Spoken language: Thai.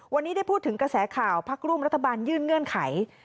วันนี้ได้พูดถึงกระแสข่าวพักร่วมรัฐบาลยื่นเงื่อนไข